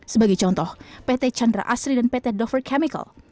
sebagai contoh pt chandra asri dan pt dover chemical